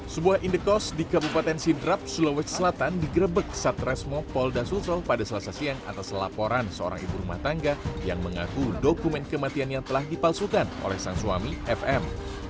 sebuah indekos di kabupaten sidrap sulawesi selatan digerebek satresmo polda sulsel pada selasa siang atas laporan seorang ibu rumah tangga yang mengaku dokumen kematiannya telah dipalsukan oleh sang suami fm